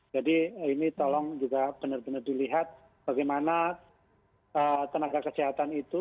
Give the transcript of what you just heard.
jadi ini tolong juga benar benar dilihat bagaimana tenaga kesehatan itu